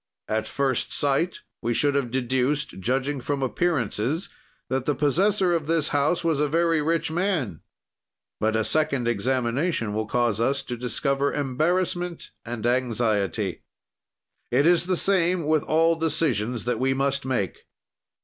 "At first sight we should have deduced, judging from appearances, that the possessor of this house was a very rich man, but a second examination will cause us to discover embarrassment and anxiety. "It is the same with all decisions that we must make.